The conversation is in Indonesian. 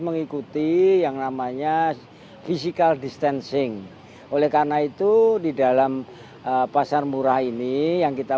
mengikuti yang namanya physical distancing oleh karena itu di dalam pasar murah ini yang kita